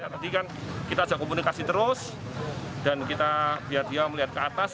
tadi kan kita ajak komunikasi terus dan kita biar dia melihat ke atas